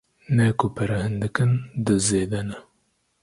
Ne ku pere hindik in, diz zêde ne.